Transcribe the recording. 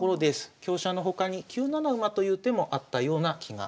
香車の他に９七馬という手もあったような気がします。